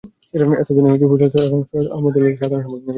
এতে দিলদার হোসেন সভাপতি এবং সৈয়দ আহমেদ দুলাল সাধারণ সম্পাদক নির্বাচিত হন।